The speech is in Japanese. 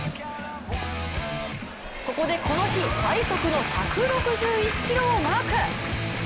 ここでこの日最速の１６１キロをマーク。